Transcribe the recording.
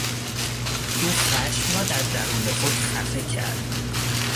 او خشم را در درون خود خفه کرد.